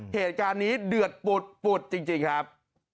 เหตุการณ์นี้เดือดปุดปุดจริงครับ